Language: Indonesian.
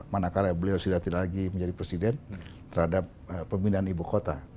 mana kala beliau tidak lagi menjadi presiden terhadap pemindahan ibu kota